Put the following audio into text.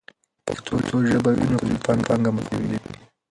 که پښتو ژبه وي نو کلتوري پانګه مو خوندي وي.